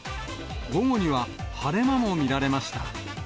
午後には晴れ間も見られました。